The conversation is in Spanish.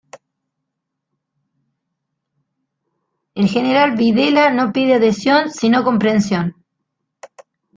El General Videla no pide adhesión, sino comprensión, la tiene".